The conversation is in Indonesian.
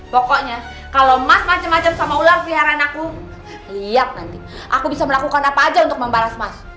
pokoknya kalau mas macem macem sama ular peliharaan aku liat nanti aku bisa melakukan apa aja untuk membalas mas